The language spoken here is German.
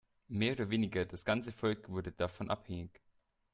Mehr oder weniger das ganze Volk wurde davon abhängig.